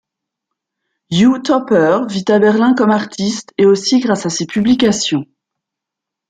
Uwe Topper vit à Berlin comme artiste et aussi grâce à ses publications.